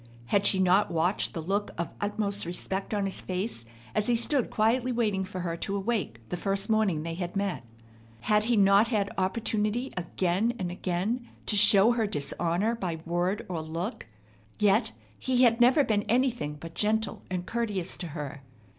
Had she not watched the look of utmost respect on his face as he stood quietly waiting for her to awake the first morning they had met? Had he not had opportunity again and again to show her dishonor by word or look? Yet he had never been anything but gentle and courteous to her.